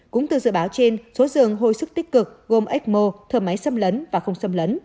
cũng từ dự báo trên số giường hồi sức tích cực gồm ecmo thở máy xâm lấn và không xâm lấn